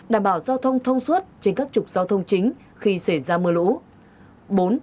đảm bảo giao thông thông suốt trên các trục giao thông chính khi xảy ra mưa lũ